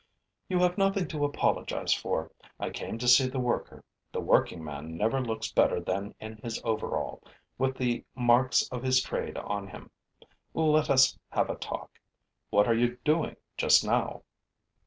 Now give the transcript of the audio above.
'You have nothing to apologize for. I came to see the worker. The working man never looks better than in his overall, with the marks of his trade on him. Let us have a talk. What are you doing just now?'